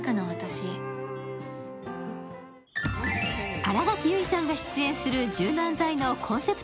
新垣結衣さんが出演する柔軟剤のコンセプト